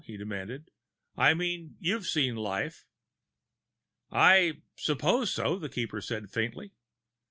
he demanded. "I mean you've seen life." "I suppose so," the Keeper said faintly.